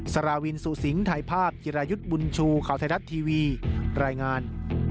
สาราวินสู่สิงห์ถ่ายภาพจิรายุทธ์บุญชูข่าวไทยรัฐทีวีรายงาน